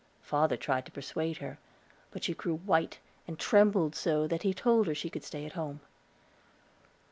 Father tried to persuade her, but she grew white, and trembled so that he told her she should stay at home.